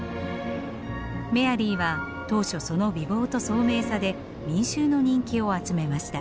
メアリーは当初その美貌とそうめいさで民衆の人気を集めました。